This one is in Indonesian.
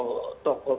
oke terima kasih